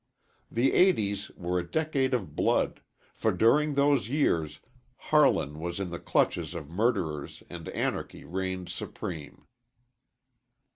The eighties were a decade of blood, for during those years Harlan was in the clutches of murderers and anarchy reigned supreme.